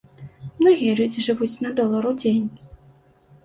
Многія людзі жывуць на долар у дзень.